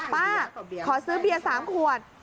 ป้าขอซื้อเบียน๓ขวด